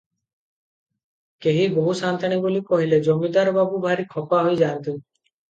କେହି ବୋହୁ ସାନ୍ତାଣୀ ବୋଲି କହିଲେ ଜମିଦାର ବାବୁ ଭାରି ଖପା ହୋଇଯାଆନ୍ତି ।